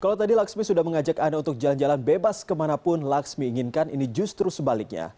kalau tadi laksmi sudah mengajak anda untuk jalan jalan bebas kemanapun laksmi inginkan ini justru sebaliknya